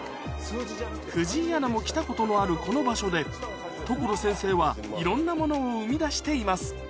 藤井アナも来たことのあるこの場所で所先生はいろんなものを生み出しています